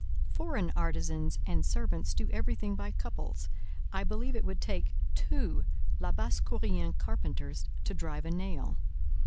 Foreign artisans and servants do everything by couples: I believe it would take two Labassecourien carpenters to drive a nail.